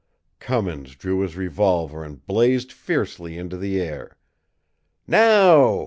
Cummins drew his revolver and blazed fiercely into the air. "Now!"